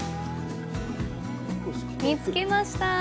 見つけました！